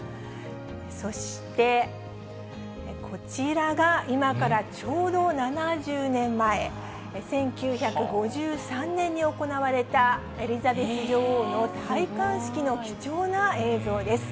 そして、こちらが今からちょうど７０年前、１９５３年に行われたエリザベス女王の戴冠式の貴重な映像です。